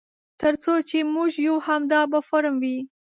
تر څو چې موږ یو همدا به فورم وي.